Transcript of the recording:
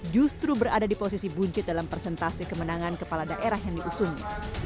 justru berada di posisi buncit dalam presentasi kemenangan kepala daerah yang diusungnya